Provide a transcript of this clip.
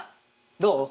どう？